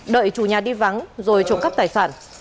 đợi chủ nhà đi vắng rồi trộm cắp tài sản